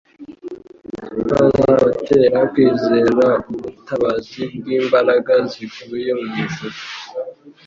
kwazabatera kwizera ubutabazi bw'imbaraga zivuye mu ijuru.